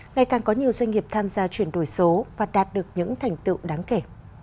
ngày càng có nhiều doanh nghiệp tham gia chuyển đổi số và đạt được những thành tựu đáng kể